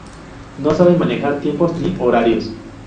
No sabe manejar tiempos ni horarios.